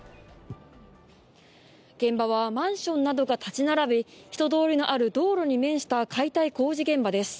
現場はマンションなどが建ち並び、人通りのある道路に面した解体工事現場です。